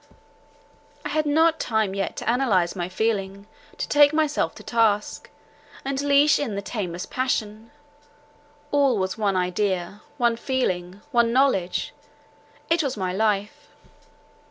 —I had not time yet to analyze my feeling, to take myself to task, and leash in the tameless passion; all was one idea, one feeling, one knowledge —it was my life!